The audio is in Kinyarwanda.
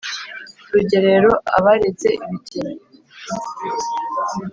rugerero aberetse ibigeni